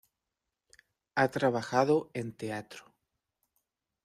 Ha trabajado en teatro.